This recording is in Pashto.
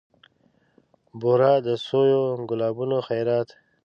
بورا د سویو ګلابونو خیرات